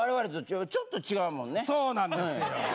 そうなんですよ。